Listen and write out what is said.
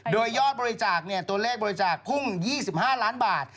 โดยยอดบริจาคตัวเลขบริจาคพุ่ง๒๕ล้านบาท